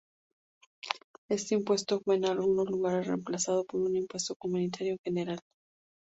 Este impuesto fue en algunos lugares reemplazado por un impuesto comunitario en general.